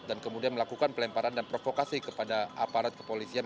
dan kemudian melakukan pelemparan dan provokasi kepada aparat kepolisian